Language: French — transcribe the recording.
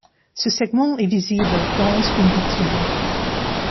Ce segment est visible dans une vitrine.